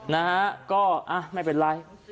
นะฮะก็ไม่เป็นไร